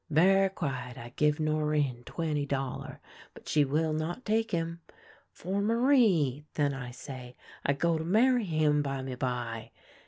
Ver' quiet I give Norinne twenty dollar, but she will not take him. ' For Alarie,' then I say ;' I go to marry him, bimeby.'